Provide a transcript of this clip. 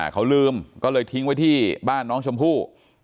เขาลืมก็เลยทิ้งไว้ที่บ้านน้องชมพู่